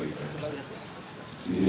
di sini kami berdoa